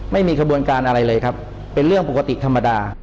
ไม่มีขบวนการอะไรเลยครับเป็นเรื่องปกติธรรมดา